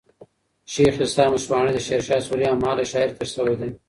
شېخ عیسي مشواڼى د شېرشاه سوري هم مهاله شاعر تېر سوی دئ.